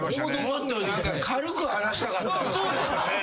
もっと何か軽く話したかった。